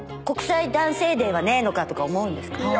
国際男性デーはねえのかとか思うんですか？